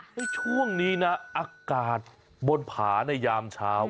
ช่วงนี้นะอากาศบนผาในยามเช้า